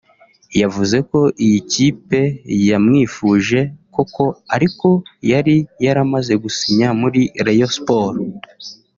yavuze ko iyi kipe yamwifuje koko ariko yari yaramaze gusinya muri Rayon Sports